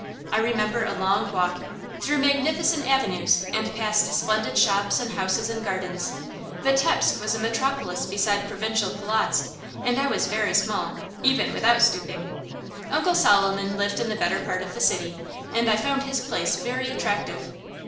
I remember a long walk, through magnificent avenues and past splendid shops and houses and gardens. Vitebsk was a metropolis beside provincial Polotzk; and I was very small, even without stooping. Uncle Solomon lived in the better part of the city, and I found his place very attractive.